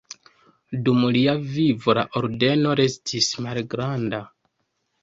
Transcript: Dum lia vivo la ordeno restis malgranda.